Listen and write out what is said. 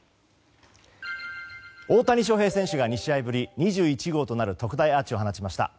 大谷翔平選手が２試合ぶり２１号となる特大アーチを放ちました。